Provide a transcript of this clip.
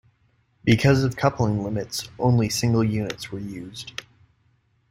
Because of coupling limits, only single units were used.